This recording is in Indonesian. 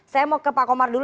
saya mau ke pak komar dulu